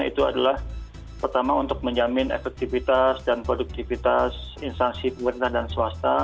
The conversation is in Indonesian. itu adalah pertama untuk menjamin efektivitas dan produktivitas instansi pemerintah dan swasta